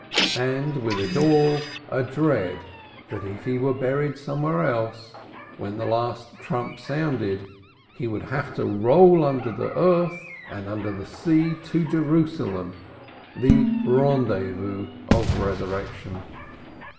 And with it all a dread that if he were buried elsewhere, when the last trump sounded he would have to roll under the earth and under the sea to Jerusalem, the rendezvous of resurrection.